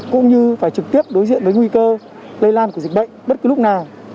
cũng như phải trực tiếp đối diện với nguy cơ lây lan của dịch bệnh bất cứ lúc nào